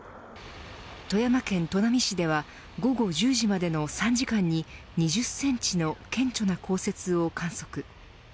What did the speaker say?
富山県砺波市では午後１０時までの３時間に２０センチの顕著な降雪を観測。